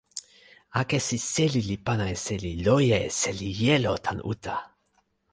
akesi seli li pana e seli loje e seli jelo tan uta.